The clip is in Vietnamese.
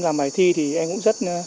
làm bài thi thì em cũng rất